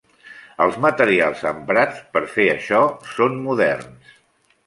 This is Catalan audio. Els materials emprats per fer això són moderns.